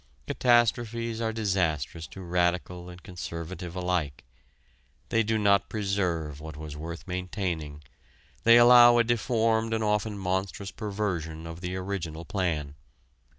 Catastrophes are disastrous to radical and conservative alike: they do not preserve what was worth maintaining; they allow a deformed and often monstrous perversion of the original plan.